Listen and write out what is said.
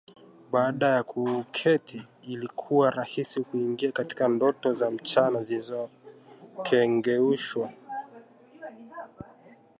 Baada ya kuketi, ilikuwa rahisi kuingia katika ndoto za mchana zilizokengeushwa